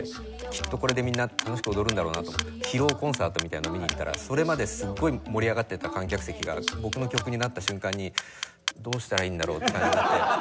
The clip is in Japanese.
きっとこれでみんな楽しく踊るんだろうなと思って披露コンサートみたいなのを見に行ったらそれまですごい盛り上がってた観客席が僕の曲になった瞬間に「どうしたらいいんだろう？」って感じになって。